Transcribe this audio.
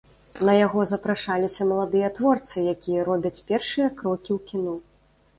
На яго запрашаліся маладыя творцы, якія робяць першыя крокі ў кіно.